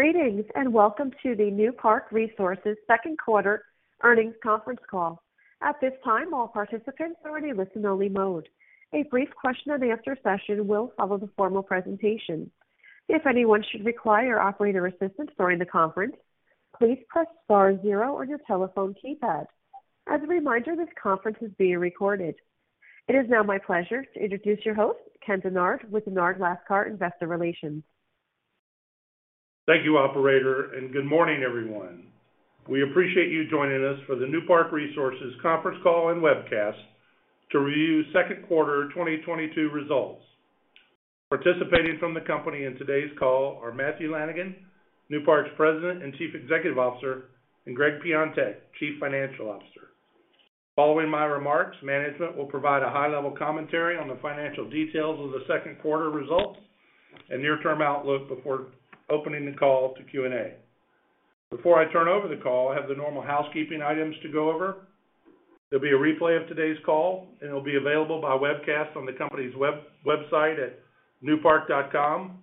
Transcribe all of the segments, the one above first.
Greetings, and welcome to the Newpark Resources second quarter earnings conference call. At this time, all participants are in a listen only mode. A brief question and answer session will follow the formal presentation. If anyone should require operator assistance during the conference, please press star zero on your telephone keypad. As a reminder, this conference is being recorded. It is now my pleasure to introduce your host, Ken Dennard, with Dennard Lascar Investor Relations. Thank you, operator, and good morning, everyone. We appreciate you joining us for the Newpark Resources conference call and webcast to review second quarter 2022 results. Participating from the company in today's call are Matthew Lanigan, Newpark's President and Chief Executive Officer, and Gregg Piontek, Chief Financial Officer. Following my remarks, management will provide a high-level commentary on the financial details of the second quarter results and near-term outlook before opening the call to Q&A. Before I turn over the call, I have the normal housekeeping items to go over. There'll be a replay of today's call, and it'll be available by webcast on the company's website at newpark.com.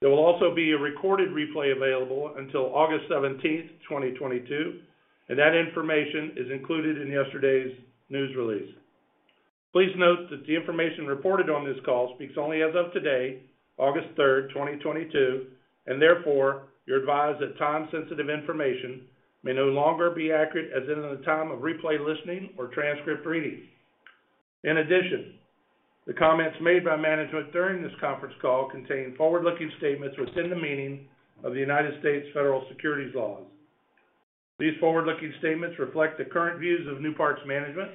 There will also be a recorded replay available until August 17, 2022, and that information is included in yesterday's news release. Please note that the information reported on this call speaks only as of today, August 3, 2022, and therefore, you're advised that time-sensitive information may no longer be accurate as of the time of replay listening or transcript reading. In addition, the comments made by management during this conference call contain forward-looking statements within the meaning of the United States federal securities laws. These forward-looking statements reflect the current views of Newpark's management.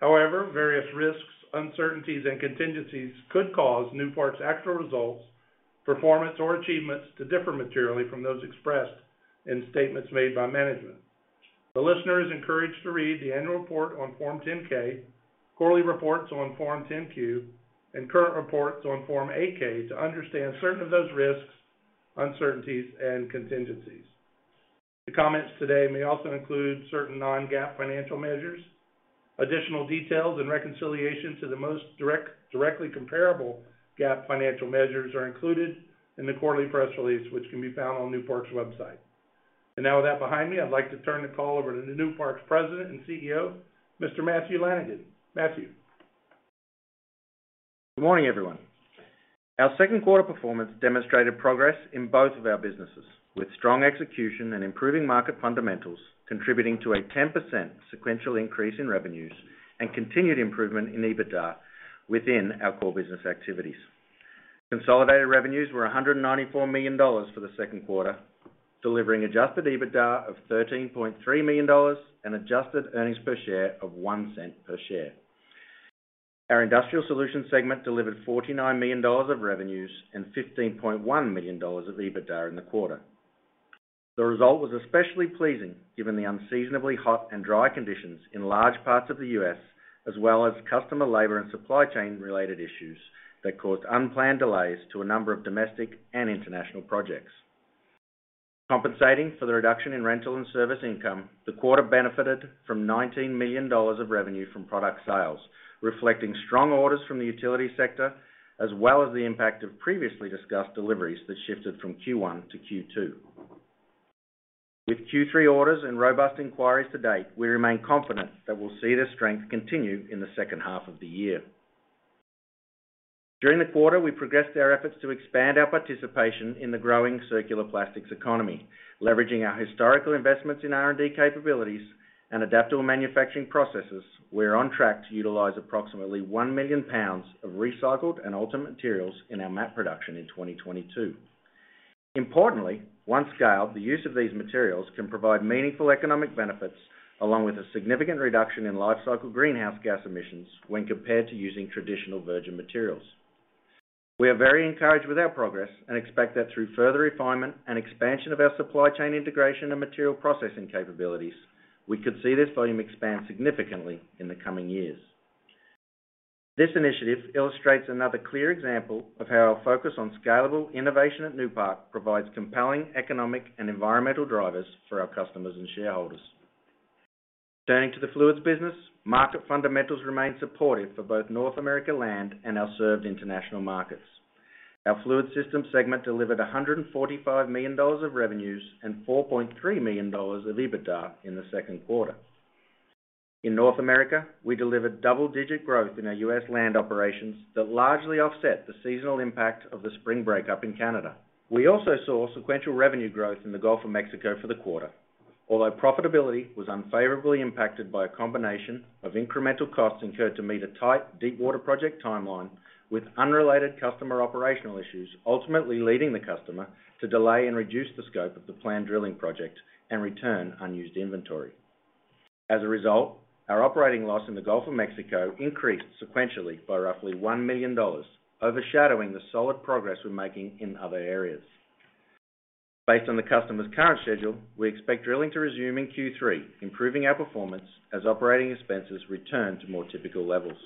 However, various risks, uncertainties, and contingencies could cause Newpark's actual results, performance, or achievements to differ materially from those expressed in statements made by management. The listener is encouraged to read the annual report on Form 10-K, quarterly reports on Form 10-Q, and current reports on Form 8-K to understand certain of those risks, uncertainties, and contingencies. The comments today may also include certain non-GAAP financial measures. Additional details and reconciliation to the most directly comparable GAAP financial measures are included in the quarterly press release, which can be found on Newpark's website. Now with that behind me, I'd like to turn the call over to Newpark's President and CEO, Mr. Matthew Lanigan. Matthew. Good morning, everyone. Our second quarter performance demonstrated progress in both of our businesses with strong execution and improving market fundamentals contributing to a 10% sequential increase in revenues and continued improvement in EBITDA within our core business activities. Consolidated revenues were $194 million for the second quarter, delivering adjusted EBITDA of $13.3 million and adjusted earnings per share of $0.01 per share. Our industrial solutions segment delivered $49 million of revenues and $15.1 million of EBITDA in the quarter. The result was especially pleasing given the unseasonably hot and dry conditions in large parts of the U.S., as well as customer labor and supply chain related issues that caused unplanned delays to a number of domestic and international projects. Compensating for the reduction in rental and service income, the quarter benefited from $19 million of revenue from product sales, reflecting strong orders from the utility sector as well as the impact of previously discussed deliveries that shifted from Q1 to Q2. With Q3 orders and robust inquiries to date, we remain confident that we'll see this strength continue in the second half of the year. During the quarter, we progressed our efforts to expand our participation in the growing circular plastics economy, leveraging our historical investments in R&D capabilities and adaptable manufacturing processes. We're on track to utilize approximately 1 million pounds of recycled and ultimate materials in our mat production in 2022. Importantly, once scaled, the use of these materials can provide meaningful economic benefits along with a significant reduction in life cycle greenhouse gas emissions when compared to using traditional virgin materials. We are very encouraged with our progress and expect that through further refinement and expansion of our supply chain integration and material processing capabilities, we could see this volume expand significantly in the coming years. This initiative illustrates another clear example of how our focus on scalable innovation at Newpark provides compelling economic and environmental drivers for our customers and shareholders. Turning to the fluids business, market fundamentals remain supportive for both North America land and our served international markets. Our fluid system segment delivered $145 million of revenues and $4.3 million of EBITDA in the second quarter. In North America, we delivered double-digit growth in our U.S. land operations that largely offset the seasonal impact of the spring breakup in Canada. We also saw sequential revenue growth in the Gulf of Mexico for the quarter. Although profitability was unfavorably impacted by a combination of incremental costs incurred to meet a tight deep water project timeline with unrelated customer operational issues, ultimately leading the customer to delay and reduce the scope of the planned drilling project and return unused inventory. As a result, our operating loss in the Gulf of Mexico increased sequentially by roughly $1 million, overshadowing the solid progress we're making in other areas. Based on the customer's current schedule, we expect drilling to resume in Q3, improving our performance as operating expenses return to more typical levels.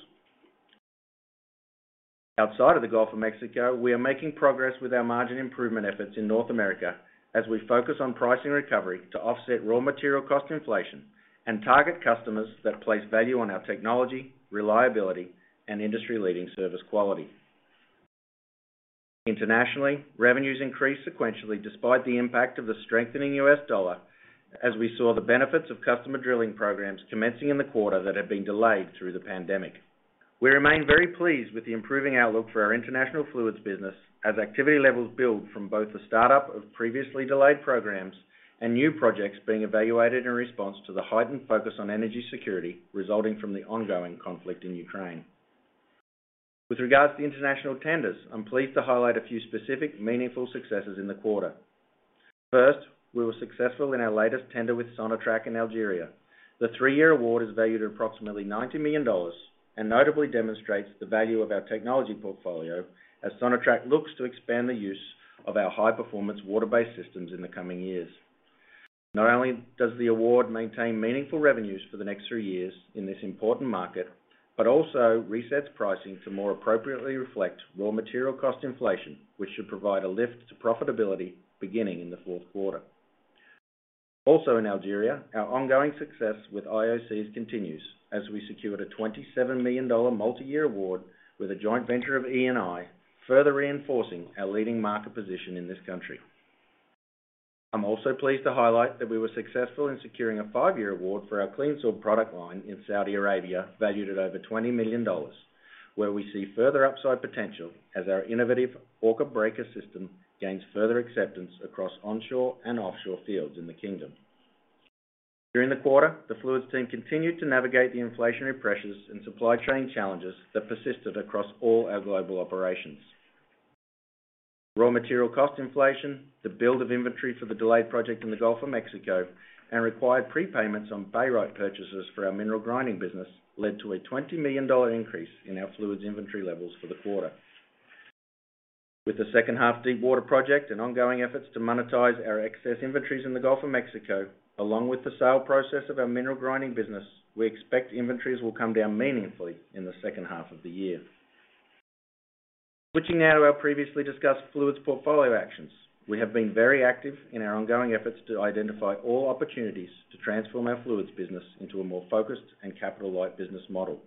Outside of the Gulf of Mexico, we are making progress with our margin improvement efforts in North America as we focus on pricing recovery to offset raw material cost inflation and target customers that place value on our technology, reliability, and industry-leading service quality. Internationally, revenues increased sequentially despite the impact of the strengthening U.S. dollar as we saw the benefits of customer drilling programs commencing in the quarter that had been delayed through the pandemic. We remain very pleased with the improving outlook for our international fluids business as activity levels build from both the startup of previously delayed programs and new projects being evaluated in response to the heightened focus on energy security resulting from the ongoing conflict in Ukraine. With regards to international tenders, I'm pleased to highlight a few specific meaningful successes in the quarter. First, we were successful in our latest tender with Sonatrach in Algeria. The three-year award is valued at approximately $90 million and notably demonstrates the value of our technology portfolio as Sonatrach looks to expand the use of our high-performance water-based systems in the coming years. Not only does the award maintain meaningful revenues for the next three years in this important market, but also resets pricing to more appropriately reflect raw material cost inflation, which should provide a lift to profitability beginning in the fourth quarter. Also, in Algeria, our ongoing success with IOCs continues as we secured a $27 million multi-year award with a joint venture of Eni, further reinforcing our leading market position in this country. I'm also pleased to highlight that we were successful in securing a five-year award for our CleanSweep product line in Saudi Arabia, valued at over $20 million, where we see further upside potential as our innovative ORCA breaker system gains further acceptance across onshore and offshore fields in the kingdom. During the quarter, the fluids team continued to navigate the inflationary pressures and supply chain challenges that persisted across all our global operations. Raw material cost inflation, the build of inventory for the delayed project in the Gulf of Mexico, and required prepayments on barite purchases for our mineral grinding business led to a $20 million increase in our fluids inventory levels for the quarter. With the second half Deepwater project and ongoing efforts to monetize our excess inventories in the Gulf of Mexico, along with the sale process of our mineral grinding business, we expect inventories will come down meaningfully in the second half of the year. Switching now to our previously discussed fluids portfolio actions. We have been very active in our ongoing efforts to identify all opportunities to transform our fluids business into a more focused and capital light business model.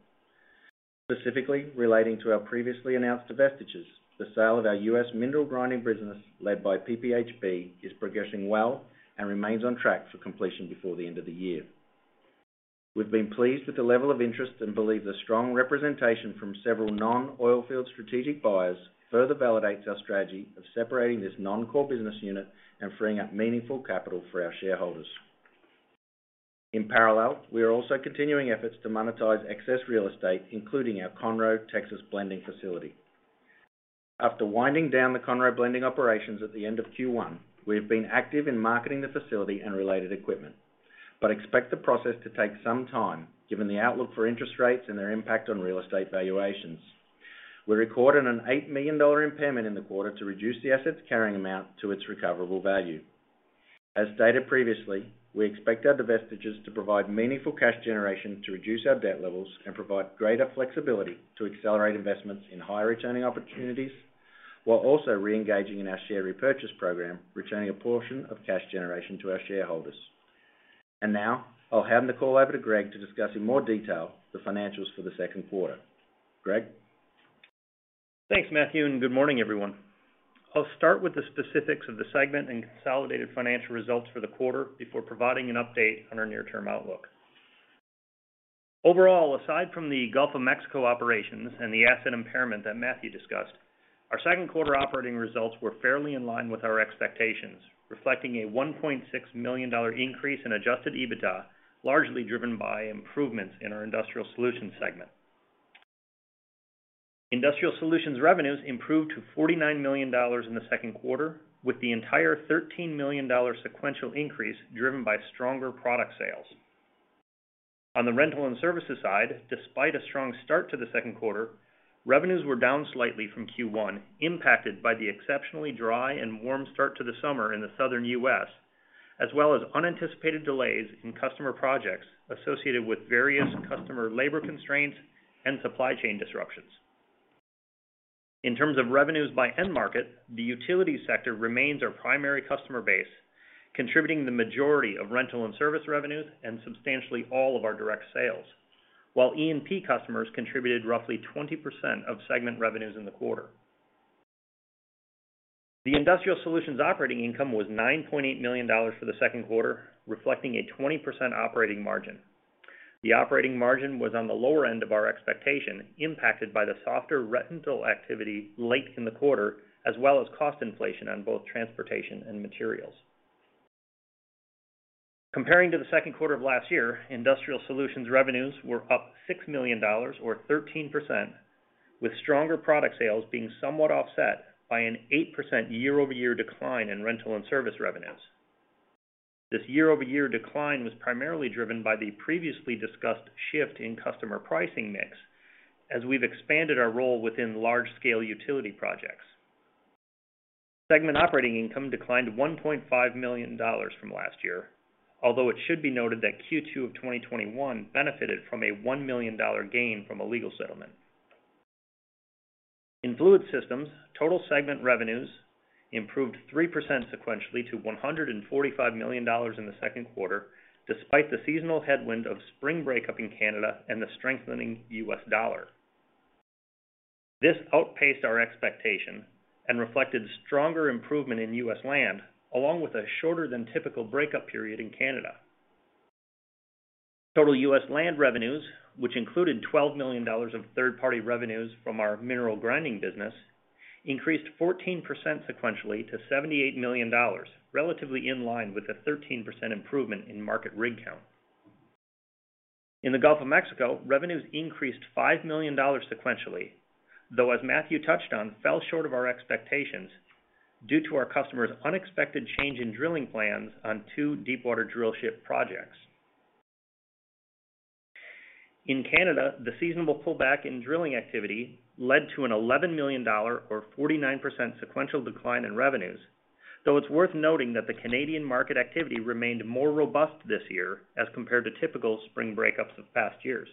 Specifically relating to our previously announced divestitures, the sale of our U.S. mineral grinding business, led by PPHB, is progressing well and remains on track for completion before the end of the year. We've been pleased with the level of interest and believe the strong representation from several non-oil field strategic buyers further validates our strategy of separating this non-core business unit and freeing up meaningful capital for our shareholders. In parallel, we are also continuing efforts to monetize excess real estate, including our Conroe, Texas blending facility. After winding down the Conroe blending operations at the end of Q1, we have been active in marketing the facility and related equipment, but expect the process to take some time given the outlook for interest rates and their impact on real estate valuations. We recorded a $8 million impairment in the quarter to reduce the assets carrying amount to its recoverable value. As stated previously, we expect our divestitures to provide meaningful cash generation to reduce our debt levels and provide greater flexibility to accelerate investments in higher returning opportunities, while also re-engaging in our share repurchase program, returning a portion of cash generation to our shareholders. Now I'll hand the call over to Gregg to discuss in more detail the financials for the second quarter. Gregg? Thanks, Matthew, and good morning, everyone. I'll start with the specifics of the segment and consolidated financial results for the quarter before providing an update on our near-term outlook. Overall, aside from the Gulf of Mexico operations and the asset impairment that Matthew discussed, our second quarter operating results were fairly in line with our expectations, reflecting a $1.6 million increase in adjusted EBITDA, largely driven by improvements in our industrial solutions segment. Industrial solutions revenues improved to $49 million in the second quarter, with the entire $13 million sequential increase driven by stronger product sales. On the rental and services side, despite a strong start to the second quarter, revenues were down slightly from Q1, impacted by the exceptionally dry and warm start to the summer in the Southern U.S., as well as unanticipated delays in customer projects associated with various customer labor constraints and supply chain disruptions. In terms of revenues by end market, the utility sector remains our primary customer base, contributing the majority of rental and service revenues and substantially all of our direct sales. While E&P customers contributed roughly 20% of segment revenues in the quarter. The industrial solutions operating income was $9.8 million for the second quarter, reflecting a 20% operating margin. The operating margin was on the lower end of our expectation, impacted by the softer rental activity late in the quarter, as well as cost inflation on both transportation and materials. Comparing to the second quarter of last year, industrial solutions revenues were up $6 million or 13%, with stronger product sales being somewhat offset by an 8% year-over-year decline in rental and service revenues. This year-over-year decline was primarily driven by the previously discussed shift in customer pricing mix as we've expanded our role within large-scale utility projects. Segment operating income declined $1.5 million from last year, although it should be noted that Q2 of 2021 benefited from a $1 million gain from a legal settlement. In fluid systems, total segment revenues improved 3% sequentially to $145 million in the second quarter, despite the seasonal headwind of spring breakup in Canada and the strengthening U.S. dollar. This outpaced our expectation and reflected stronger improvement in US land, along with a shorter than typical breakup period in Canada. Total U.S. land revenues, which included $12 million of third-party revenues from our mineral grinding business, increased 14% sequentially to $78 million, relatively in line with the 13% improvement in market rig count. In the Gulf of Mexico, revenues increased $5 million sequentially, though as Matthew touched on, fell short of our expectations due to our customers' unexpected change in drilling plans on two deepwater drill ship projects. In Canada, the seasonal pullback in drilling activity led to an $11 million or 49% sequential decline in revenues, though it's worth noting that the Canadian market activity remained more robust this year as compared to typical spring breakups of past years.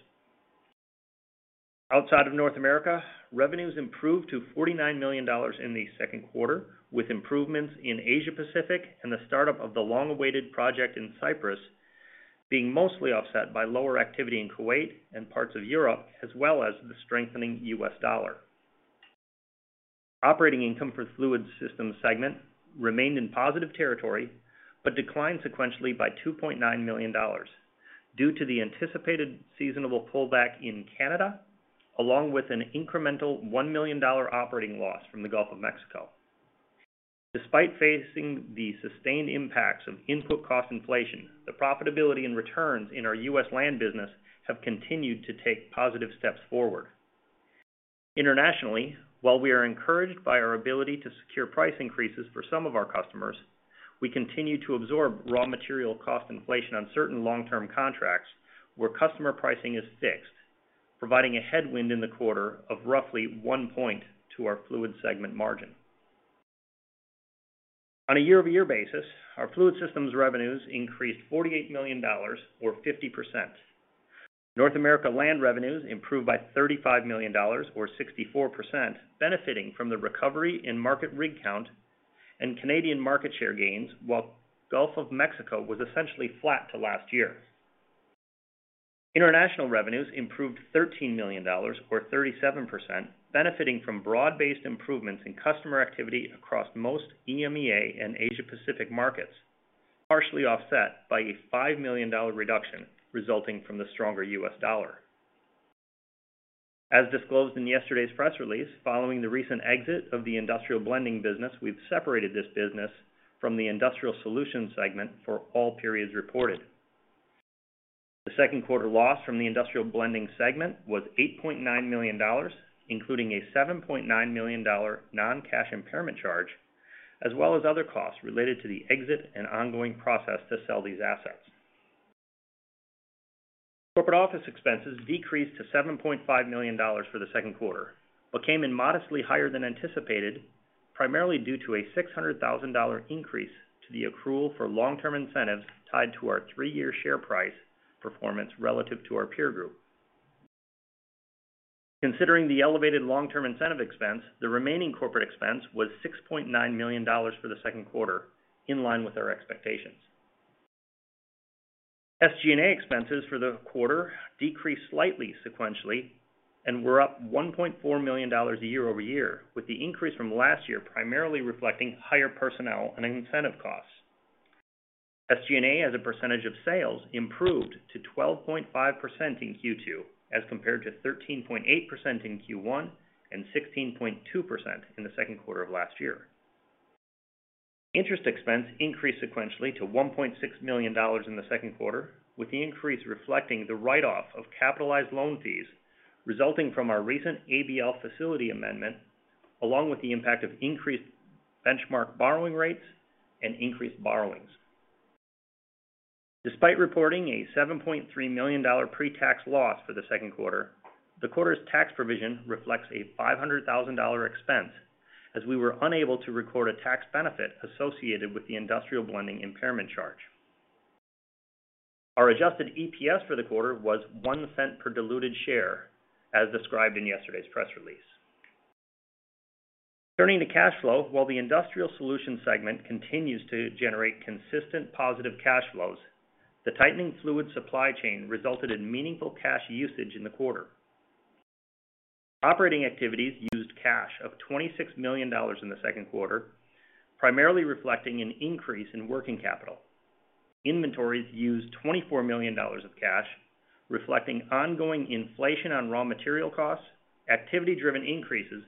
Outside of North America, revenues improved to $49 million in the second quarter, with improvements in Asia Pacific and the startup of the long-awaited project in Cyprus being mostly offset by lower activity in Kuwait and parts of Europe, as well as the strengthening U.S. dollar. Operating income for the fluid systems segment remained in positive territory, but declined sequentially by $2.9 million due to the anticipated seasonal pullback in Canada, along with an incremental $1 million operating loss from the Gulf of Mexico. Despite facing the sustained impacts of input cost inflation, the profitability and returns in our U.S. land business have continued to take positive steps forward. Internationally, while we are encouraged by our ability to secure price increases for some of our customers, we continue to absorb raw material cost inflation on certain long-term contracts where customer pricing is fixed, providing a headwind in the quarter of roughly one point to our fluid segment margin. On a year-over-year basis, our fluid systems revenues increased $48 million, or 50%. North America land revenues improved by $35 million, or 64%, benefiting from the recovery in market rig count and Canadian market share gains, while Gulf of Mexico was essentially flat to last year. International revenues improved $13 million, or 37%, benefiting from broad-based improvements in customer activity across most EMEA and Asia Pacific markets, partially offset by a $5 million reduction resulting from the stronger U.S. dollar. As disclosed in yesterday's press release, following the recent exit of the industrial blending business, we've separated this business from the industrial solutions segment for all periods reported. The second quarter loss from the industrial blending segment was $8.9 million, including a $7.9 million non-cash impairment charge, as well as other costs related to the exit and ongoing process to sell these assets. Corporate office expenses decreased to $7.5 million for the second quarter, but came in modestly higher than anticipated, primarily due to a $600,000 increase to the accrual for long-term incentives tied to our three-year share price performance relative to our peer group. Considering the elevated long-term incentive expense, the remaining corporate expense was $6.9 million for the second quarter, in line with our expectations. SG&A expenses for the quarter decreased slightly sequentially and were up $1.4 million year-over-year, with the increase from last year primarily reflecting higher personnel and incentive costs. SG&A as a percentage of sales improved to 12.5% in Q2 as compared to 13.8% in Q1 and 16.2% in the second quarter of last year. Interest expense increased sequentially to $1.6 million in the second quarter, with the increase reflecting the write-off of capitalized loan fees resulting from our recent ABL facility amendment, along with the impact of increased benchmark borrowing rates and increased borrowings. Despite reporting a $7.3 million pre-tax loss for the second quarter, the quarter's tax provision reflects a $0.5 million expense as we were unable to record a tax benefit associated with the industrial blending impairment charge. Our adjusted EPS for the quarter was $0.01 per diluted share, as described in yesterday's press release. Turning to cash flow, while the industrial solutions segment continues to generate consistent positive cash flows, the tightening fluid supply chain resulted in meaningful cash usage in the quarter. Operating activities used cash of $26 million in the second quarter, primarily reflecting an increase in working capital. Inventories used $24 million of cash, reflecting ongoing inflation on raw material costs, activity driven increases,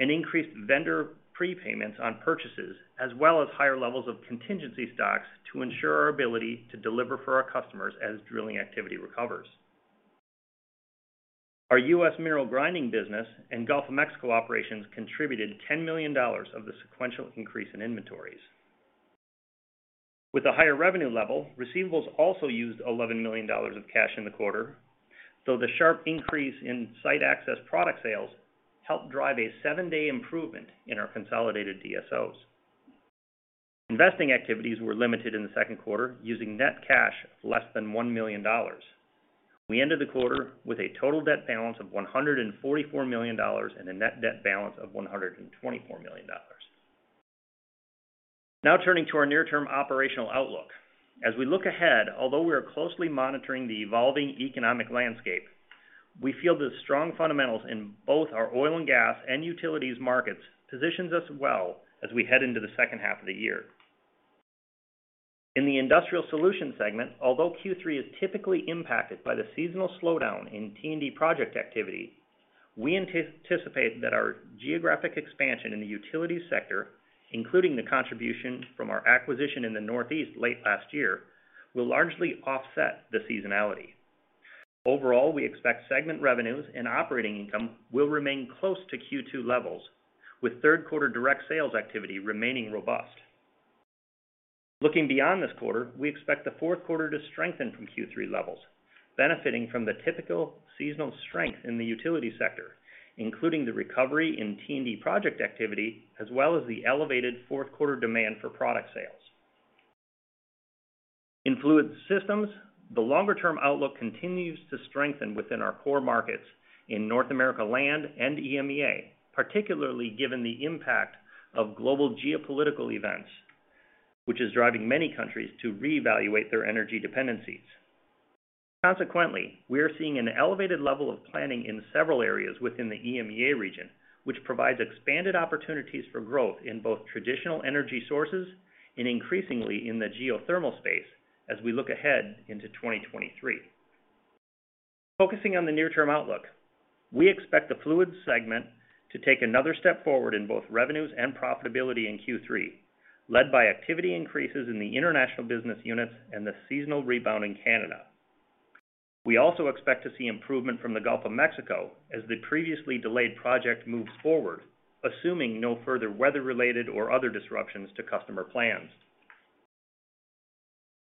and increased vendor prepayments on purchases, as well as higher levels of contingency stocks to ensure our ability to deliver for our customers as drilling activity recovers. Our U.S. mineral grinding business and Gulf of Mexico operations contributed $10 million of the sequential increase in inventories. With a higher revenue level, receivables also used $11 million of cash in the quarter, though the sharp increase in site access product sales helped drive a seven-day improvement in our consolidated DSO. Investing activities were limited in the second quarter, using net cash of less than $1 million. We ended the quarter with a total debt balance of $144 million and a net debt balance of $124 million. Now turning to our near-term operational outlook. As we look ahead, although we are closely monitoring the evolving economic landscape, we feel the strong fundamentals in both our oil and gas and utilities markets positions us well as we head into the second half of the year. In the industrial solutions segment, although Q3 is typically impacted by the seasonal slowdown in T&D project activity, we anticipate that our geographic expansion in the utilities sector, including the contribution from our acquisition in the Northeast late last year, will largely offset the seasonality. Overall, we expect segment revenues and operating income will remain close to Q2 levels, with third quarter direct sales activity remaining robust. Looking beyond this quarter, we expect the fourth quarter to strengthen from Q3 levels, benefiting from the typical seasonal strength in the utility sector, including the recovery in T&D project activity, as well as the elevated fourth quarter demand for product sales. In fluid systems, the longer-term outlook continues to strengthen within our core markets in North America land and EMEA, particularly given the impact of global geopolitical events, which is driving many countries to reevaluate their energy dependencies. Consequently, we are seeing an elevated level of planning in several areas within the EMEA region, which provides expanded opportunities for growth in both traditional energy sources and increasingly in the geothermal space as we look ahead into 2023. Focusing on the near-term outlook, we expect the fluids segment to take another step forward in both revenues and profitability in Q3, led by activity increases in the international business units and the seasonal rebound in Canada. We also expect to see improvement from the Gulf of Mexico as the previously delayed project moves forward, assuming no further weather-related or other disruptions to customer plans.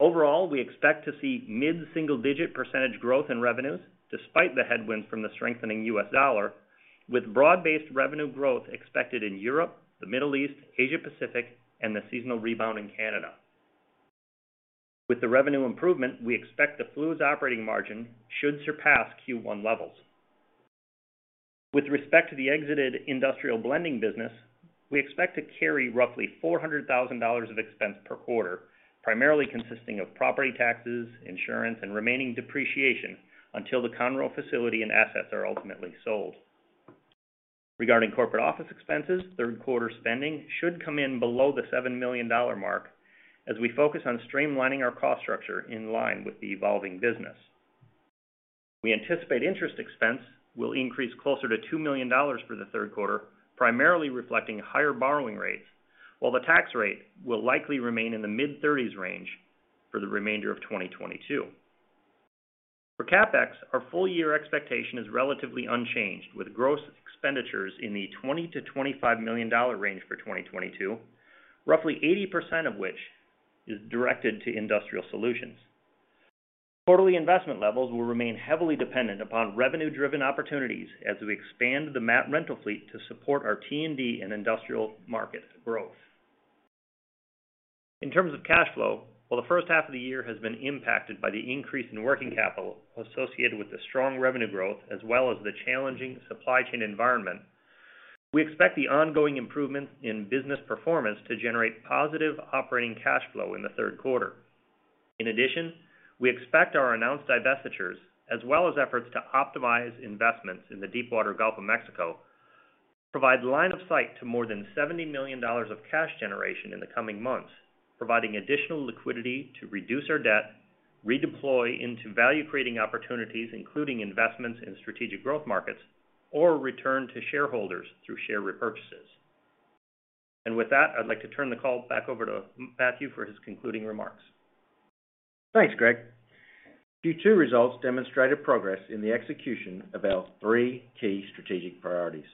Overall, we expect to see mid-single-digit percentage growth in revenues, despite the headwinds from the strengthening U.S. dollar, with broad-based revenue growth expected in Europe, the Middle East, Asia Pacific, and the seasonal rebound in Canada. With the revenue improvement, we expect the fluids operating margin should surpass Q1 levels. With respect to the exited industrial blending business, we expect to carry roughly $400,000 of expense per quarter, primarily consisting of property taxes, insurance, and remaining depreciation until the Conroe facility and assets are ultimately sold. Regarding corporate office expenses, third quarter spending should come in below the $7 million mark as we focus on streamlining our cost structure in line with the evolving business. We anticipate interest expense will increase closer to $2 million for the third quarter, primarily reflecting higher borrowing rates, while the tax rate will likely remain in the mid-30s range for the remainder of 2022. For CapEx, our full year expectation is relatively unchanged, with gross expenditures in the $20 million -$25 million range for 2022, roughly 80% of which is directed to industrial solutions. Quarterly investment levels will remain heavily dependent upon revenue-driven opportunities as we expand the mat rental fleet to support our T&D and industrial market growth. In terms of cash flow, while the first half of the year has been impacted by the increase in working capital associated with the strong revenue growth as well as the challenging supply chain environment, we expect the ongoing improvement in business performance to generate positive operating cash flow in the third quarter. In addition, we expect our announced divestitures, as well as efforts to optimize investments in the deepwater Gulf of Mexico, provide line of sight to more than $70 million of cash generation in the coming months, providing additional liquidity to reduce our debt, redeploy into value-creating opportunities, including investments in strategic growth markets, or return to shareholders through share repurchases. With that, I'd like to turn the call back over to Matthew for his concluding remarks. Thanks, Gregg. Q2 results demonstrated progress in the execution of our three key strategic priorities.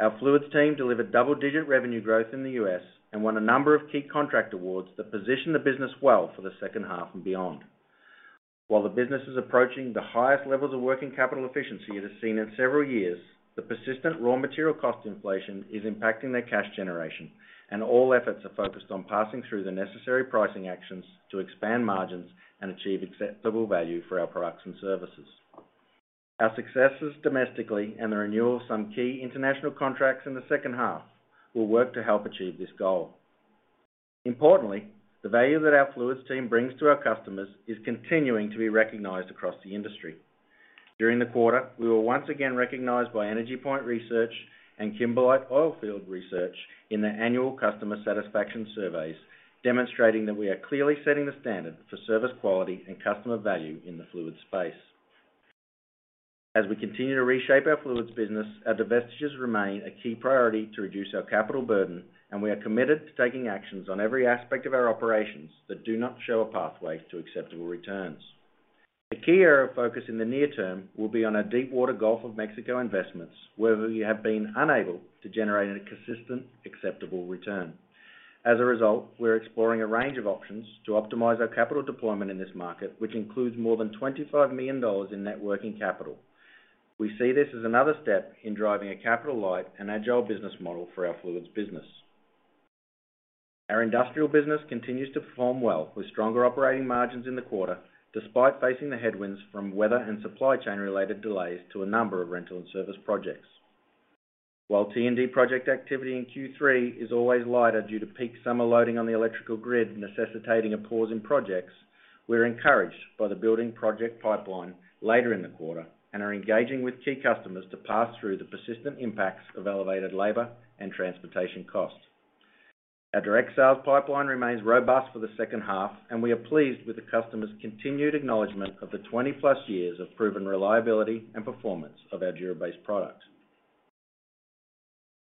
Our fluids team delivered double-digit revenue growth in the U.S. and won a number of key contract awards that position the business well for the second half and beyond. While the business is approaching the highest levels of working capital efficiency it has seen in several years, the persistent raw material cost inflation is impacting their cash generation, and all efforts are focused on passing through the necessary pricing actions to expand margins and achieve acceptable value for our products and services. Our successes domestically and the renewal of some key international contracts in the second half will work to help achieve this goal. Importantly, the value that our fluids team brings to our customers is continuing to be recognized across the industry. During the quarter, we were once again recognized by EnergyPoint Research and Kimberlite Oilfield Research in their annual customer satisfaction surveys, demonstrating that we are clearly setting the standard for service quality and customer value in the fluids space. As we continue to reshape our fluids business, our divestitures remain a key priority to reduce our capital burden, and we are committed to taking actions on every aspect of our operations that do not show a pathway to acceptable returns. The key area of focus in the near term will be on our deepwater Gulf of Mexico investments, where we have been unable to generate a consistent, acceptable return. As a result, we're exploring a range of options to optimize our capital deployment in this market, which includes more than $25 million in net working capital. We see this as another step in driving a capital light and agile business model for our fluids business. Our industrial business continues to perform well with stronger operating margins in the quarter, despite facing the headwinds from weather and supply chain related delays to a number of rental and service projects. While T&D project activity in Q3 is always lighter due to peak summer loading on the electrical grid necessitating a pause in projects, we're encouraged by the building project pipeline later in the quarter and are engaging with key customers to pass through the persistent impacts of elevated labor and transportation costs. Our direct sales pipeline remains robust for the second half, and we are pleased with the customers continued acknowledgment of the 20+ years of proven reliability and performance of our DURA-BASE product.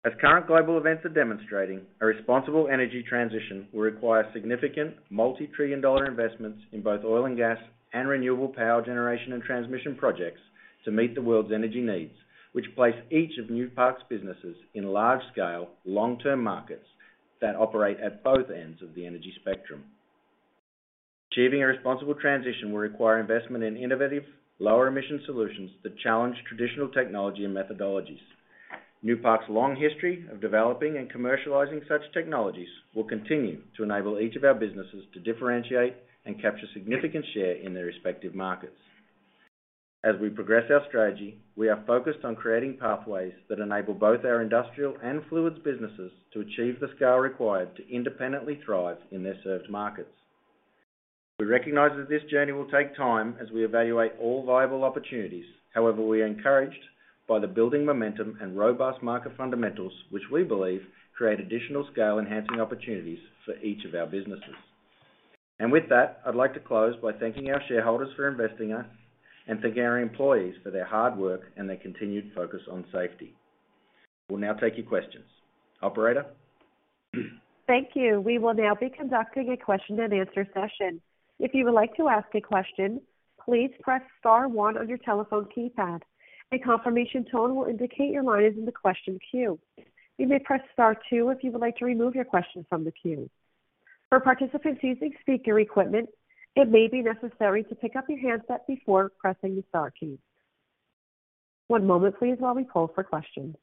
As current global events are demonstrating, a responsible energy transition will require significant multi-trillion dollar investments in both oil and gas and renewable power generation and transmission projects to meet the world's energy needs, which place each of Newpark's businesses in large scale, long-term markets that operate at both ends of the energy spectrum. Achieving a responsible transition will require investment in innovative, lower emission solutions that challenge traditional technology and methodologies. Newpark's long history of developing and commercializing such technologies will continue to enable each of our businesses to differentiate and capture significant share in their respective markets. As we progress our strategy, we are focused on creating pathways that enable both our industrial and fluids businesses to achieve the scale required to independently thrive in their served markets. We recognize that this journey will take time as we evaluate all viable opportunities. However, we are encouraged by the building momentum and robust market fundamentals, which we believe create additional scale enhancing opportunities for each of our businesses. With that, I'd like to close by thanking our shareholders for investing us and thanking our employees for their hard work and their continued focus on safety. We'll now take your questions. Operator? Thank you. We will now be conducting a question and answer session. If you would like to ask a question, please press star one on your telephone keypad. A confirmation tone will indicate your line is in the question queue. You may press star two if you would like to remove your question from the queue. For participants using speaker equipment, it may be necessary to pick up your handset before pressing your star key. One moment, please, while we poll for questions.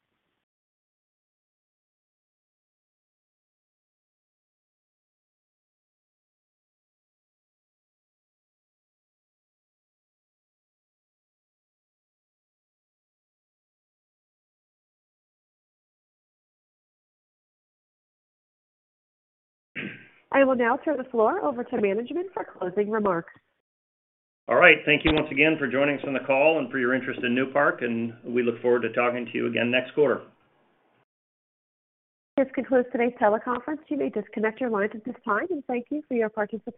I will now turn the floor over to management for closing remarks. All right. Thank you once again for joining us on the call and for your interest in Newpark, and we look forward to talking to you again next quarter. This concludes today's teleconference. You may disconnect your lines at this time, and thank you for your participation.